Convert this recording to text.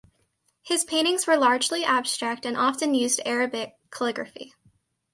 His paintings were largely abstract and often used Arabic calligraphy.